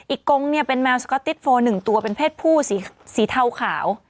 กงเนี่ยเป็นแมวสก๊อตติโฟ๑ตัวเป็นเพศผู้สีเทาขาว